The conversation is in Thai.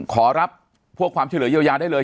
ขอรับพวกความช่วยเหลือเยียวยาได้เลย